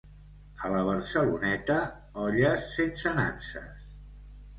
A la Barceloneta, olles sense nanses.